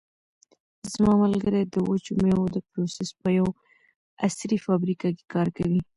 زما ملګری د وچو مېوو د پروسس په یوه عصري فابریکه کې کار کوي.